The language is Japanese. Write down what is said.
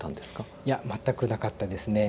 いや全くなかったですね。